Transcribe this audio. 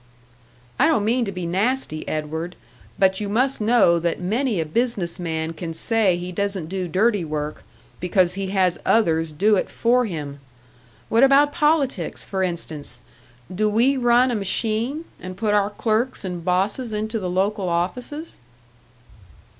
"I don't mean to be nasty, Edward; but you must know that many a business man can say he doesn't do dirty work, because he has others do it for him. What about politics, for instance? Do we run a machine, and put our clerks and bosses into the local offices?"